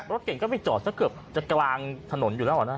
รถเก๋งก็ไปจอดเกือบกลางถนนอยู่แล้วเหรอนะ